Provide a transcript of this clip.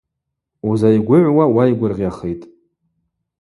Узайгвыгӏвуа уайгвыргъьахитӏ.